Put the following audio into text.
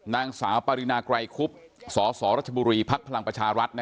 นางสาวปารีนาไกรครุฟ